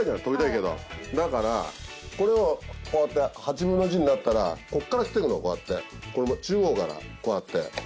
だからこれをこうやって８分の１になったらこっから切ってくのこうやって中央からこうやって。